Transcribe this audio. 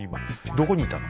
どこにいたの？